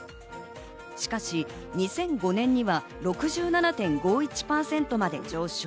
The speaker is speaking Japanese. しかし２００５年には６７．５１％まで上昇。